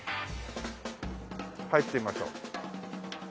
入ってみましょう。